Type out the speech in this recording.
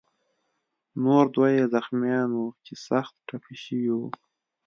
نور دوه یې زخمیان وو چې سخت ټپي شوي وو.